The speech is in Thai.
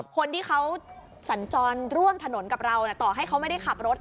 คนที่เขาสัญจรร่วมถนนกับเราต่อให้เขาไม่ได้ขับรถ